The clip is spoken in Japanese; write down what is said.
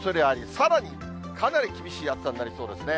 さらにかなり厳しい暑さになりそうですね。